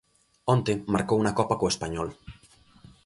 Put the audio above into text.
Onte marcou na Copa co Español.